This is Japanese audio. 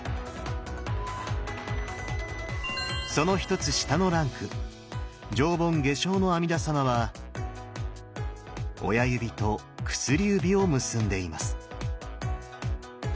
その１つ下のランク上品下生の阿弥陀様は親指と薬指を結んでいます。